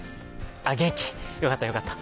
元気、よかったよかった。